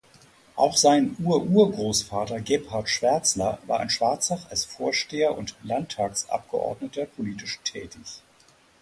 Auch sein Ururgroßvater Gebhard Schwärzler war in Schwarzach als Vorsteher und Landtagsabgeordneter politisch tätig.